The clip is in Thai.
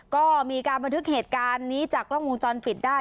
ก็มีการบันทึกเหตุการณ์นี้จากกล้องวงจรปิดได้